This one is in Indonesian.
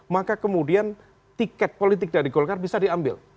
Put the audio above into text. maka kemudian tiket politik dari golkar bisa diambil